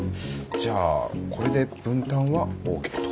じゃあこれで分担はＯＫと。